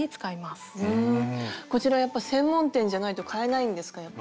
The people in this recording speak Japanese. こちらやっぱ専門店じゃないと買えないんですか？